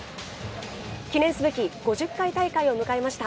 記念すべき５０回大会を迎えました